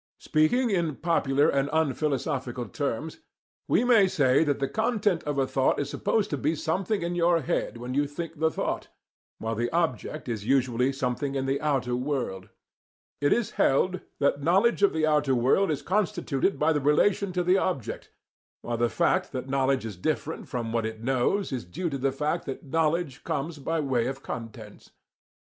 Speaking in popular and unphilosophical terms, we may say that the content of a thought is supposed to be something in your head when you think the thought, while the object is usually something in the outer world. It is held that knowledge of the outer world is constituted by the relation to the object, while the fact that knowledge is different from what it knows is due to the fact that knowledge comes by way of contents.